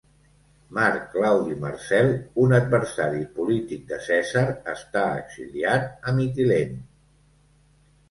Marc Claudi Marcel, un adversari polític de Cèsar, està exiliat a Mitilene.